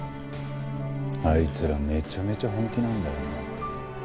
あいつらめちゃめちゃ本気なんだよな。